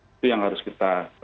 itu yang harus kita